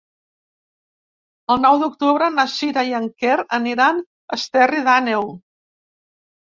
El nou d'octubre na Sira i en Quer aniran a Esterri d'Àneu.